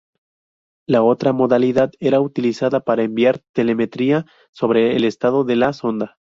La otra modalidad era utilizada para enviar telemetría sobre el estado de la sonda.